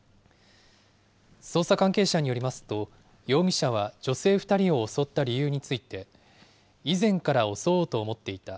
捜査関係者によりますと、容疑者は女性２人を襲った理由について、以前から襲おうと思っていた。